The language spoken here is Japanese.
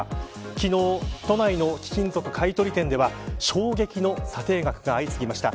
昨日、都内の貴金属買取店では衝撃の査定額が相次ぎました。